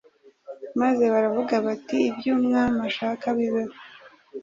maze baravuga bati: “Ibyo Umwami ashaka bibeho.”